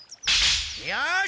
よし！